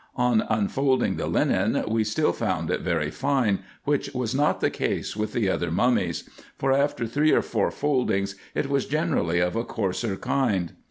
On unfolding the linen, we still found it very fine, which was not the case with the other mummies ; for, after three or four foldings, it was generally of a coarser kind.